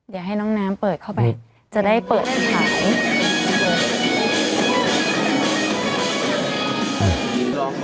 เดี๋ยวให้น้องน้ำเปิดเข้าไปจะได้เปิดขาย